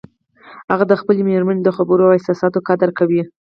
هغه د خپلې مېرمنې د خبرو او احساساتو قدر کوي